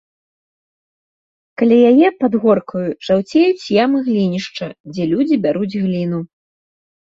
Каля яе, пад горкаю, жаўцеюць ямы глінішча, дзе людзі бяруць гліну.